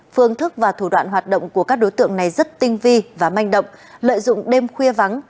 phương thức và thủ đoạn hoạt động của các đối tượng này rất tinh vi và manh động lợi dụng đêm khuya vắng